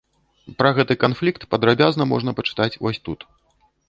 Пра гэты канфлікт падрабязна можна пачытаць вось тут.